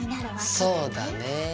そうだねぇ。